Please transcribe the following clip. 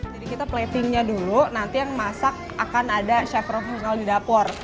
jadi kita platingnya dulu nanti yang masak akan ada chef profesional di dapur